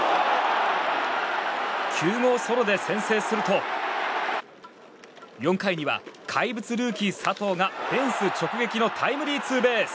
９号ソロで先制すると４回には怪物ルーキー、佐藤がフェンス直撃のタイムリーツーベース。